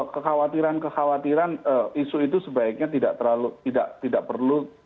kekhawatiran kekhawatiran isu itu sebaiknya tidak perlu